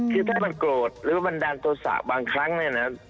คือถ้ามันโกรธหรือว่ามันดันตัวสาบบางครั้งนี่นะ